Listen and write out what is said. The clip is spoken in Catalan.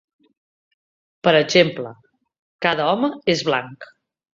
Per exemple, "cada home és blanc".